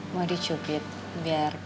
mau dicubit biar kayak